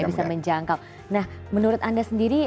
bisa menjangkau nah menurut anda sendiri